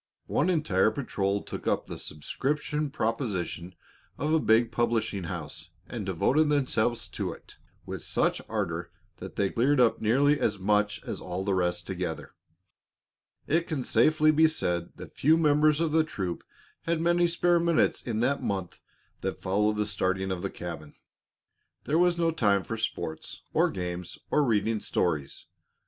One entire patrol took up the subscription proposition of a big publishing house and devoted themselves to it with such ardor that they cleared up nearly as much as all the rest together. It can safely be said that few members of the troop had many spare minutes in the month that followed the starting of the cabin. There was no time for sports or games or reading stories.